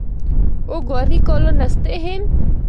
او گرمی کولو نسدے ہن۔